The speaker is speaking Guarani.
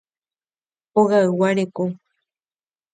Ogaygua reko.